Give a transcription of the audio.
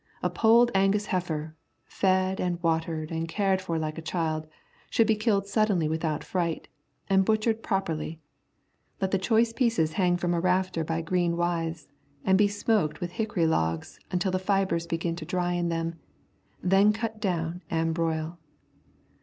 A Polled Angus heifer, fed and watered and cared for like a child, should be killed suddenly without fright, and butchered properly; let the choice pieces hang from a rafter by green withes and be smoked with hickory logs until the fibres begin to dry in them, then cut down and broil.